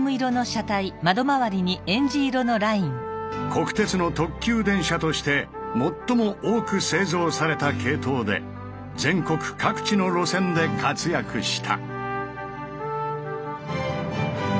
国鉄の特急電車として最も多く製造された系統で全国各地の路線で活躍した。